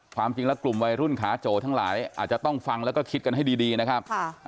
ความจริงแล้วกลุ่มวัยรุ่นขาโจทั้งหลายอาจจะต้องฟังแล้วก็คิดกันให้ดีนะครับ